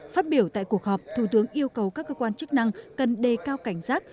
phát biểu tại cuộc họp thủ tướng yêu cầu các cơ quan chức năng cần đề cao cảnh giác